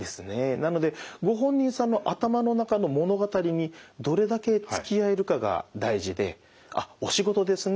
なのでご本人さんの頭の中の物語にどれだけつきあえるかが大事で「あっお仕事ですね。